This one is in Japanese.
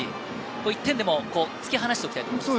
１点でも突き放しておきたいところですね。